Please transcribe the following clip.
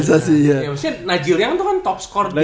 maksudnya najil yang itu kan top score di